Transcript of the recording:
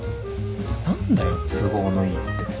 何だよ「都合のいい」って